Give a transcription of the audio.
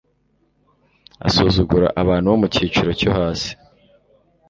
Asuzugura abantu bo mu cyiciro cyo hasi.